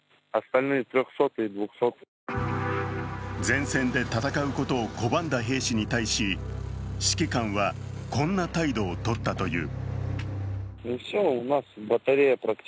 前戦で戦うことを拒んだ兵士に対し指揮官はこんな態度をとったという。